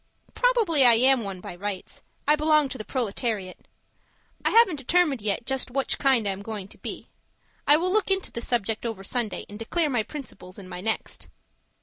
Probably I am one by rights; I belong to the proletariat. I haven't determined yet just which kind I am going to be. I will look into the subject over Sunday, and declare my principles in my next.